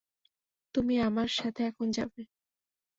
তুমি আমার সাথে এখন যাবে।